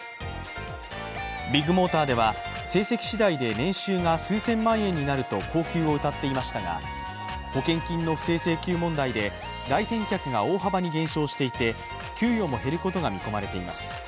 ビッグモーターでは成績しだいで年収が数千万円になると高給をうたっていましたが、保険金の不正請求問題で来店客が大幅に減少していて給与も減ることが見込まれています。